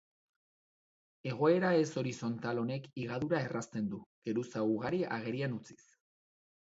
Egoera ez-horizontal honek higadura errazten du, geruza ugari agerian utziz.